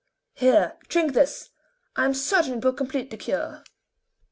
Here, drink this, I am certain it will complete the cure."